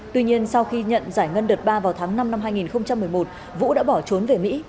tuy nhiên sau khi nhận giải ngân đợt ba vào tháng năm năm hai nghìn một mươi một vũ đã bỏ trốn về mỹ